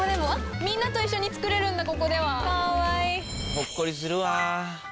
ほっこりするわぁ。